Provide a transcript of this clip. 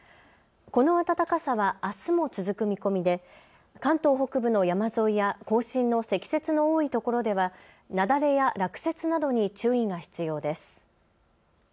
この暖かさはあすも続く見込みで関東北部の山沿いや甲信の積雪の多いところでは雪崩や落雪などに注意が必要です。